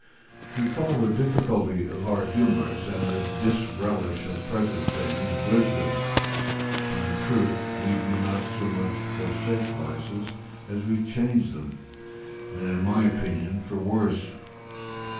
We call the difficulty of our humours and the disrelish of present things wisdom; but, in truth, we do not so much forsake vices as we change them, and in my opinion, for worse.